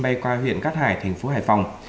bay qua huyện cát hải thành phố hải phòng